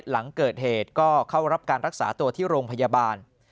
หลังเกิดเหตุก็เข้ารับการรักษาตัวที่โรงพยาบาล